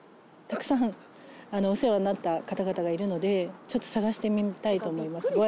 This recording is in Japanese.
たくさんお世話になった方々がいるのでちょっと探してみたいと思います。